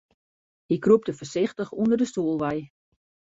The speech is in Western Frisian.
Hy krûpte foarsichtich ûnder de stoel wei.